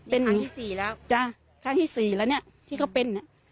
เป็นครั้งที่สี่แล้วจ้ะครั้งที่สี่แล้วเนี่ยที่เขาเป็นเนี่ย